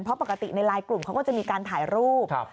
เพราะปกติในไลน์กลุ่มเขาก็จะมีการถ่ายรูป